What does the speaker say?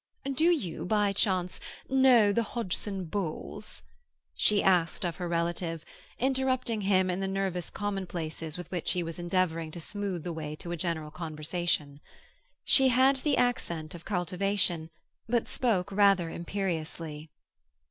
"Do you, by chance, know the Hodgson Bulls?" she asked of her relative, interrupting him in the nervous commonplaces with which he was endeavouring to smooth the way to a general conversation. She had the accent of cultivation, but spoke rather imperiously.